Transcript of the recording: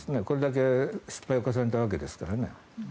これだけ失敗を重ねたわけですからね。